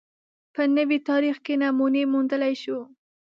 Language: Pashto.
په نوي تاریخ کې نمونې موندلای شو